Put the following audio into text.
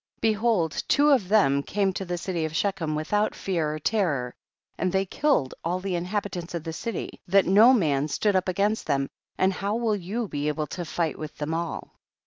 4. Behold two of them came to the city of Shechem without fear or terror, and ihcy killed all the inhabi tants of the city, that no man stood up against them, and how will you be able to fight with them all